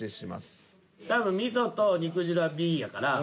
多分味噌と肉汁はＢやから。